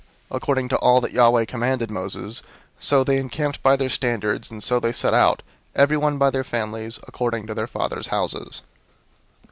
According to all that Yahweh commanded Moses, so they encamped by their standards, and so they set out, everyone by their families, according to their fathers' houses.